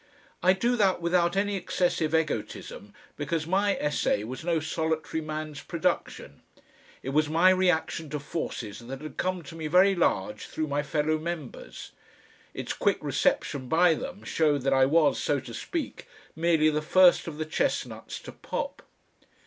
I do that without any excessive egotism, because my essay was no solitary man's production; it was my reaction to forces that had come to me very large through my fellow members; its quick reception by them showed that I was, so to speak, merely the first of the chestnuts to pop.